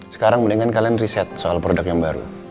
sekarang mendingan kalian riset soal produk yang baru